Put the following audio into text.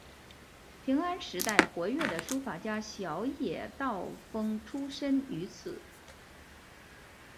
平安时代活跃的书法家小野道风出身于此。